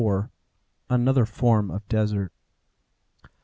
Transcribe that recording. ANOTHER FORM OF DESERT.